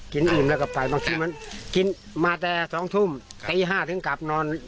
กินอิ่มแล้วก็ไปบางชีวิตมันกินมาแต่๒ทุ่มใกล้๕ถึงกลับนอน